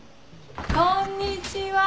・こんにちは。